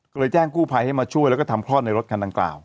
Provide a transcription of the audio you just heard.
ก็เลยแจ้งกู้ภัยให้มาช่วยแล้วก็ทำคลอดในรถคันดังกล่าว